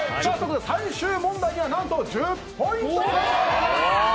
最終問題はなんと１０ポイントとなります。